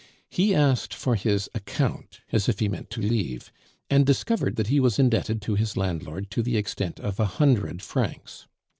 He asked for his account, as if he meant to leave, and discovered that he was indebted to his landlord to the extent of a hundred francs.